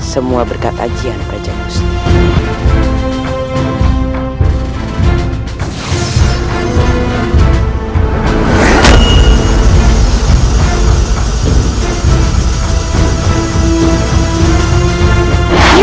semua berkat ajian kerajaan ustin